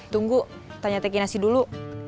tunggu tanya teki nasi dulu